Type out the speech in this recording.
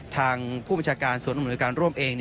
ทางผู้บัญชาการศูนย์อำนวยการร่วมเอง